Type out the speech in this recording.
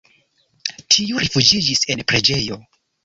Tiu rifuĝiĝis en preĝejo.